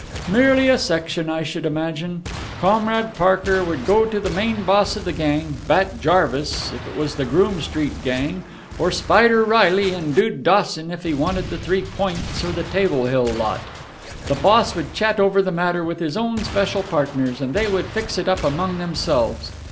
"Merely a section, I should imagine. Comrade Parker would go to the main boss of the gang Bat Jarvis, if it was the Groome Street gang, or Spider Reilly and Dude Dawson if he wanted the Three Points or the Table Hill lot. The boss would chat over the matter with his own special partners, and they would fix it up among themselves.